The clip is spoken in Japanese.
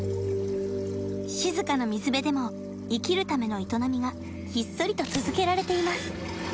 静かな水辺でも生きるための営みがひっそりと続けられています